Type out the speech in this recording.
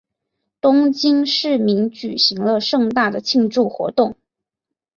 东京市民举行了盛大的庆祝活动。